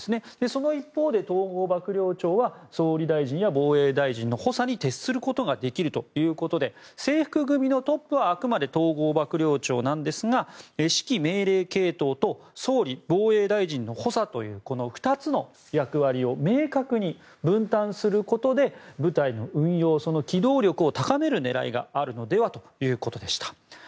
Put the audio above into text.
その一方で、統合幕僚長は総理大臣や防衛大臣の補佐に徹することができるということで制服組のトップはあくまで統合幕僚長なんですが指揮命令系統と総理、防衛大臣の補佐というこの２つの役割を明確に分担することで部隊の運用その機動力を高める狙いがあるのではということでした。